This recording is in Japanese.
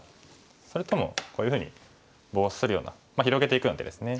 それともこういうふうにボウシするような広げていくような手ですね。